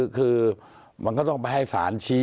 คือมันก็ต้องไปให้ศาลชี้